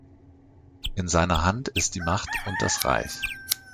In seiner Hand ist die Macht und das Reich.